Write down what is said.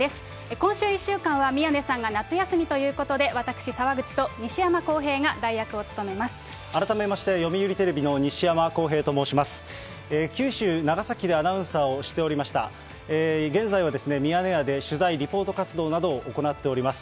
今週１週間は、宮根さんが夏休みということで、私、改めまして、読売テレビの西山耕平と申します。